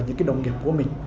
những đồng nghiệp của mình